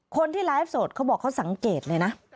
คนที่ไลฟ์สดเขาบอกเขาสังเกตเลยนะ